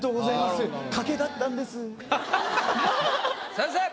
先生！